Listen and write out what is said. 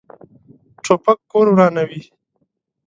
توپک کور ورانوي.